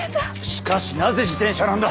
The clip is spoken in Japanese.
しかしなぜ自転車なんだ。